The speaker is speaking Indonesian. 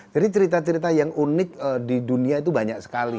jadi cerita cerita yang unik di dunia itu banyak sekali